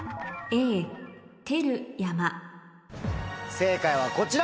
正解はこちら。